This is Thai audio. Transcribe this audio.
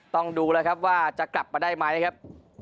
ต้องดูแล้วครับว่าจะกลับมาได้ไหมครับ